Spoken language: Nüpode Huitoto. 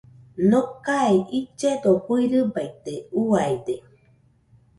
Nokae illedo fɨirɨbaite, uiade